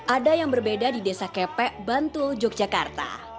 ada yang berbeda di desa kepek bantul yogyakarta